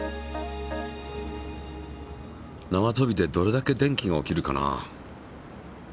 なわとびでどれだけ電気が起きるかな？